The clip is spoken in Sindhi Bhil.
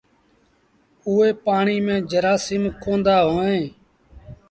اُئي پآڻيٚ ميݩ جرآسيٚم ڪوندآ هوئيݩ۔